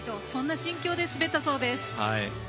そんな心境で滑ったそうです。